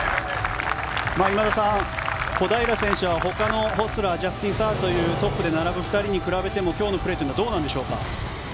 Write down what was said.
今田さん、小平選手はほかのホスラージャスティン・サーというトップで並ぶ２人と比べても今日のプレーはどうなんでしょうか。